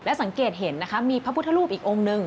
และสังเกตเห็นมีพระพุทธฤทธิ์อีกองค์หนึ่ง